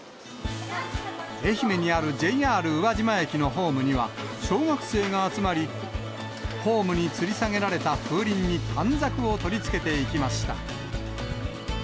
愛媛にあるＪＲ宇和島駅のホームには、小学生が集まり、ホームにつり下げられた風鈴に短冊を取り付けていきました。